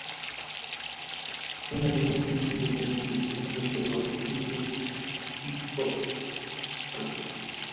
Tiene dos secciones independientes: el club de golf y el club hípico.